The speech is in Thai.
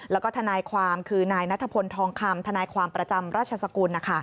แล้วก็ทนายความคือนายนัทพลทองคำทนายความประจำราชสกุล